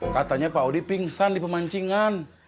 katanya pak audi pingsan di pemancingan